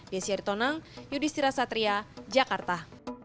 b syaritonang yudhistira satria jakarta